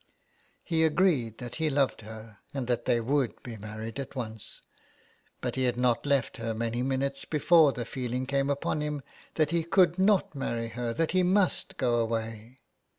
He agreed that he loved her, and that they would be married at once. But he had not left her many minutes before the feeling came upon him that he could not marry her — that he must go away.